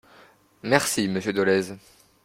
Merci, monsieur Dolez.